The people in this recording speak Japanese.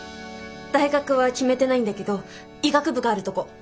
大学は決めてないんだけど医学部があるとこ。